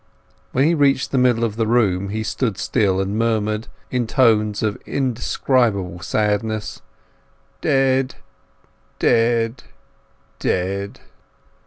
When he reached the middle of the room he stood still and murmured in tones of indescribable sadness— "Dead! dead! dead!"